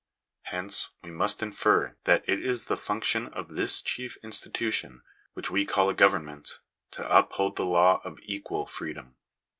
Hence we must % infer that it is the function of this chief institution which we I call a government, to uphold the law of equal freedom.